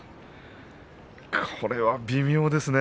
これは微妙ですね。